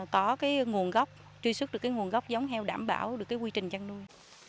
có cái nguồn gốc truy xuất được cái nguồn gốc giống heo đảm bảo được cái quy trình chăn nuôi